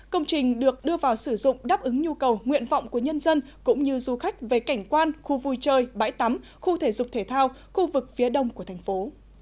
công trình được đưa vào sử dụng đáp ứng nhu cầu nguyện vọng của nhân dân cũng như du khách về cảnh quan khu vui chơi bãi tắm khu thể dục thể thao khu vực phía đông của thành phố